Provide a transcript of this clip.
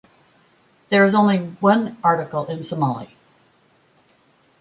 There is only one article in Somali.